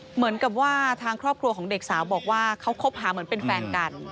เหมือนกับว่าทางครอบครัวของเด็กสาวบอกว่าเขาคบหาเหมือนเป็นแฟนกัน